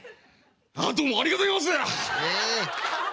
「何ともありがとうございます！